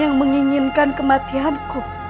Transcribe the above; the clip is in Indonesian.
yang menginginkan kematianku